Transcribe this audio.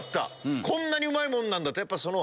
こんなにうまいもんなんだって。